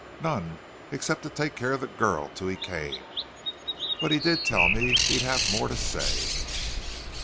"None, except to take care of the girl till he came. But he did tell me he'd have more to say."